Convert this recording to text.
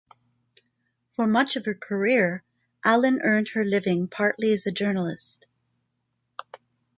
For much of her career, Allen earned her living partly as a journalist.